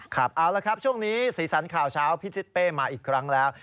ครับเอาละครับช่วงนี้สีสันข่าวเช้าพี่ทิศเป้มาอีกครั้งแล้ว